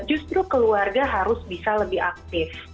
justru keluarga harus bisa lebih aktif